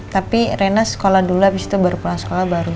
tapi rena sekolah dulu abis itu baru pulang sekolah baru